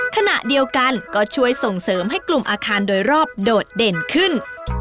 ขณะเดียวกันก็ช่วยส่งเสริมให้กลุ่มอาคารโดยรอบโดดเด่นขึ้น